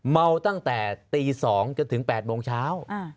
เมาตั้งแต่ตี๒จนถึง๘โมงเช้า